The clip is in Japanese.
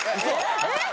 えっ？